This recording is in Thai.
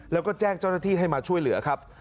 แล้วก็แจ้งเจ้าหน้าที่ให้มาช่วยเหลือครับ